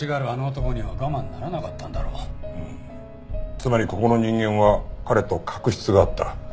つまりここの人間は彼と確執があった。